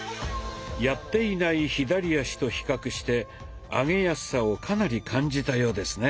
やっていない左足と比較して上げやすさをかなり感じたようですね。